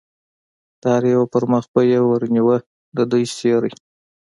د هر یوه پر مخ به یې ور نیوه، د دوی سیوری.